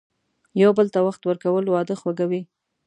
یو بل ته وخت ورکول، واده خوږوي.